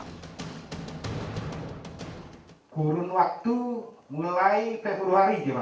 kedua tersangka berinisial hss dan ss dibekuk petugas di kawasan cikarang bekasi jawa barat minggu malam